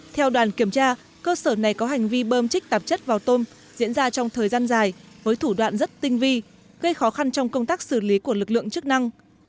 theo đoàn kiểm tra cơ sở này có hành vi bơm chích tạp chất vào tôm diễn ra trong thời gian dài với thủ đoạn rất tinh vi gây khó khăn trong công tác xử lý của lực lượng chức năng